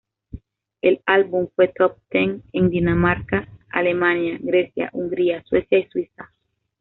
El álbum fue Top Ten en Dinamarca, Alemania, Grecia, Hungría, Suecia y Suiza.